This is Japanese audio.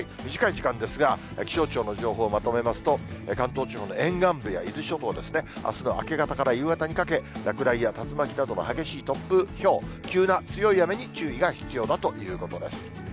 短い時間ですが、気象庁の情報をまとめますと、関東地方の沿岸部や伊豆諸島ですね、あすの明け方から夕方にかけ、落雷や竜巻などの激しい突風、ひょう、急な強い雨に注意が必要だということです。